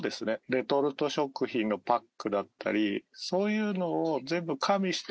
レトルト食品のパックだったりそういうのを。